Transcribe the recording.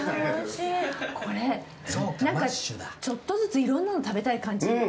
これちょっとずついろんなの食べたい感じ。